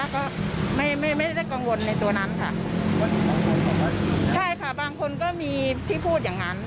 ก็ไม่ไม่ได้กังวลในตัวนั้นค่ะใช่ค่ะบางคนก็มีที่พูดอย่างนั้น